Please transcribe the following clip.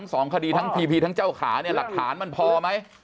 สองคดีทั้งพีพีทั้งเจ้าขาเนี่ยหลักฐานมันพอไหม